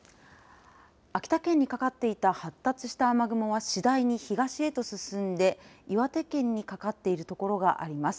秋田県にかかっていた発達した雨雲は次第に東へと進んで岩手県にかかっている所があります。